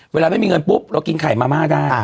เวลาไม่มีเงินปุ๊บเรากินไข่มาม่าได้